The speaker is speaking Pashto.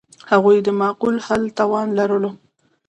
هغوی د معقول حل توان لرلو.